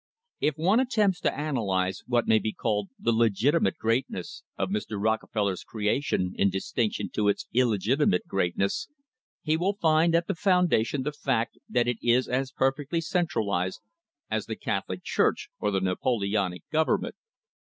If one attempts to analyse what may be called the legitimate greatness of Mr. Rockefeller's creation in distinction to its illegitimate greatness, he will find at the foundation the fact that it is as perfectly centralised as the Catholic church or the Napoleonic government.